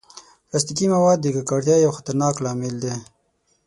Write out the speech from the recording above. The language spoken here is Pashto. پلاستيکي مواد د ککړتیا یو خطرناک لامل دي.